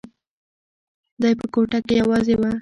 دی په کوټه کې یوازې و.